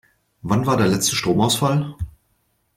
Wann war der letzte Stromausfall?